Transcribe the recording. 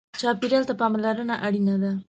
چاپېریال ته پاملرنه اړینه ده.